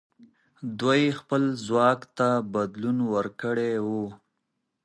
دوی خپل ځواک ته بدلون ورکړی وو.